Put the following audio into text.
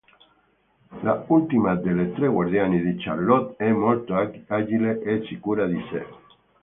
L'ultima delle tre guardiane di Charlotte è molto agile e sicura di sé.